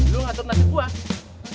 lu gak tau nasib gue